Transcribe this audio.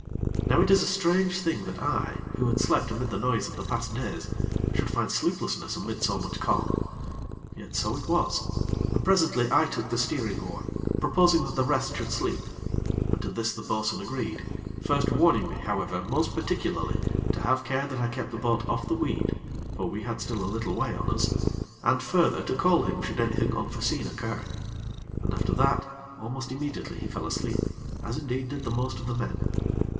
Now it is a strange thing that I, who had slept amid the noise of the past days, should find sleeplessness amid so much calm; yet so it was, and presently I took the steering oar, proposing that the rest should sleep, and to this the bo'sun agreed, first warning me, however, most particularly to have care that I kept the boat off the weed (for we had still a little way on us), and, further, to call him should anything unforeseen occur. And after that, almost immediately he fell asleep, as indeed did the most of the men.